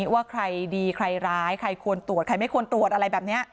ว่าใครดีใครร้ายใครควรตรวจใครไม่ควรตรวจอะไรแบบนี้